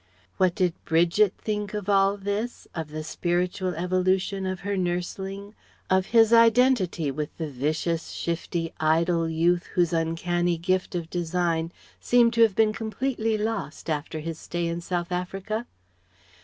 What did Bridget think of all this, of the spiritual evolution of her nursling, of his identity with the vicious, shifty, idle youth whose uncanny gift of design seemed to have been completely lost after his stay in South Africa?